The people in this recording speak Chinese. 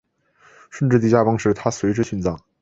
顺治帝驾崩时她随之殉葬。